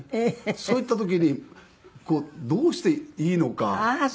そういった時にどうしていいのか。